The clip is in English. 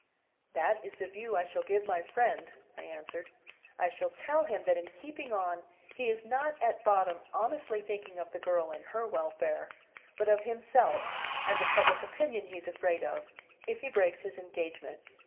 "That is the view I shall give my friend," I answered. "I shall tell him that in keeping on he is not at bottom honestly thinking of the girl and her welfare, but of himself and the public opinion he's afraid of, if he breaks his engagement.